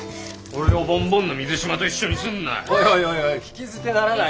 俺をボンボンの水島と一緒にすんな。